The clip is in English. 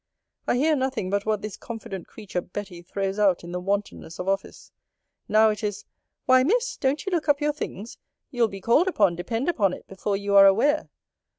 I hear nothing but what this confident creature Betty throws out in the wantonness of office. Now it is, Why, Miss, don't you look up your things? You'll be called upon, depend upon it, before you are aware.